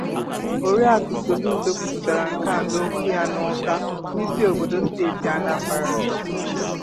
Oriakụ Soludo kwupụtara nke a n'okwu ya n'Awka bụ isi obodo steeti Anambra